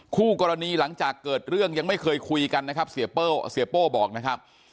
คู่กรณีหลังจากเกิดเรื่องยังไม่เคยคุยกันนะครับเสียโป้เสียโป้บอกนะครับ